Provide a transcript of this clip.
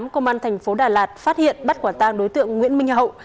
công an tp đà lạt phát hiện bắt quả tàng đối tượng nguyễn minh hậu